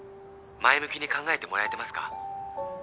前向きに考えてもらえてますか？